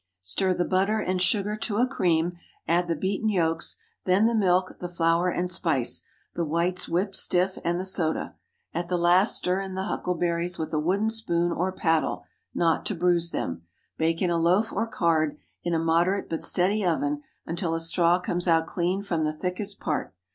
Stir the butter and sugar to a cream, add the beaten yolks; then the milk, the flour, and spice, the whites whipped stiff, and the soda. At the last stir in the huckleberries with a wooden spoon or paddle, not to bruise them. Bake in a loaf or card, in a moderate but steady oven, until a straw comes out clean from the thickest part.